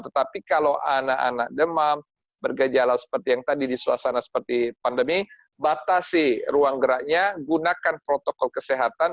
tetapi kalau anak anak demam bergejala seperti yang tadi di suasana seperti pandemi batasi ruang geraknya gunakan protokol kesehatan